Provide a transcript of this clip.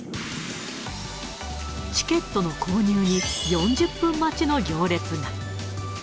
チケットの購入に４０分待ちの行列が。